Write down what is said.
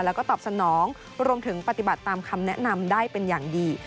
แล้วก็ตอบสนองรวมถึงปฏิบัติตามคำแนะนำได้เป็นอย่างดี